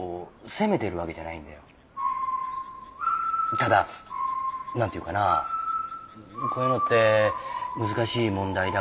ただ何て言うかなこういうのって難しい問題だからさ。